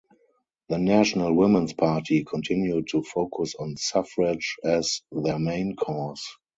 The National Woman's Party continued to focus on suffrage as their main cause.